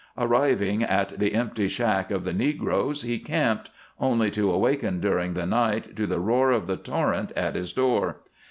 Arriving at the empty shack of the negroes, he camped, only to awaken during the night to the roar of the torrent at his door.